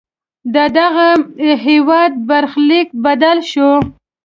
ددغه هېواد برخلیک بدل شو.